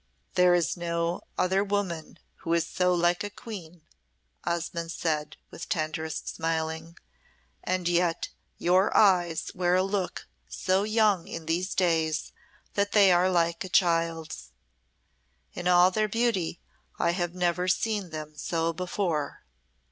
"There is no other woman who is so like a queen," Osmonde said, with tenderest smiling. "And yet your eyes wear a look so young in these days that they are like a child's. In all their beauty, I have never seen them so before."